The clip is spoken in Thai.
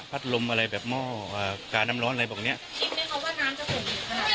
ลมอะไรแบบหม้ออ่ากาน้ำร้อนอะไรแบบเนี้ยคิดไหมคะว่าน้ำจะสูงขนาด